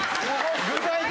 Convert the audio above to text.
具体的な。